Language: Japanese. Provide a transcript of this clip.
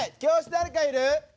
誰かいる？